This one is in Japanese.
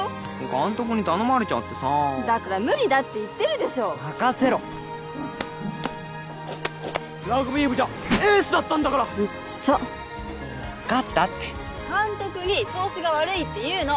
監督に頼まれちゃってさだから無理だって言ってるでしょ任せろラグビー部じゃエースだったんだからうっざもう分かったって監督に調子が悪いって言うの！